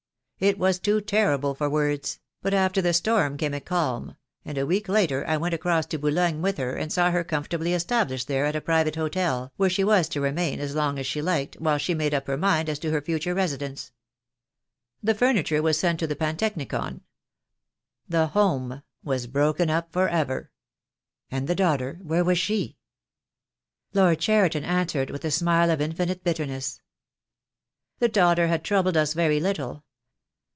It was too terrible for words; but after the storm came a calm, and a week later I went across to Boulogne with her and saw her comfortably established there at a private hotel, where she was to remain as long as she THE DAY WILL COME. I 99 liked, while she made up her mind as to her future re sidence. The furniture was sent to the Pantechnicon. The home was broken up for ever." "And the daughter, where was she?" Lord Cheriton answered with a smile of infinite bitter ness. "The daughter had troubled us very little.